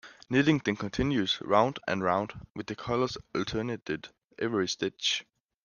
Knitting then continues round and round, with the colours alternated every stitch.